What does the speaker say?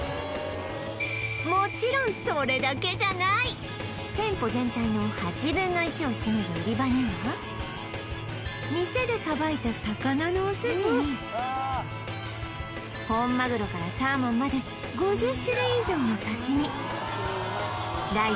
もちろんそれだけじゃない店舗全体の８分の１を占める売場には店で捌いた魚のお寿司に本マグロからサーモンまでと大充実